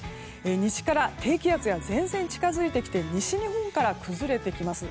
西から低気圧や前線が近づいてきて西日本から崩れてきます。